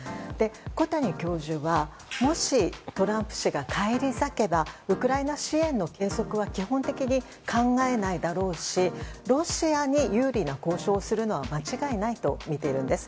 小谷教授はもしトランプ氏が返り咲けばウクライナ支援の継続は基本的に考えないだろうしロシアに有利な交渉をするのは間違いないとみているんです。